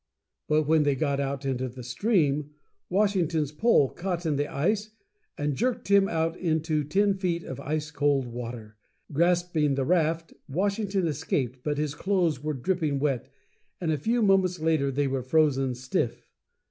But when they got out into the stream, Washington's pole caught in the ice and jerked him out into ten feet of ice cold water. Grasping the raft, Washington escaped; but his clothes were dripping wet, and a few moments later they were frozen stiff.